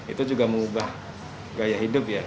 itu juga mengubah gaya hidup ya